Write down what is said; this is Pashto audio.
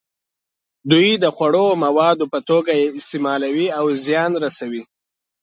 دوی د خوړو موادو په توګه یې استعمالوي او زیان رسوي.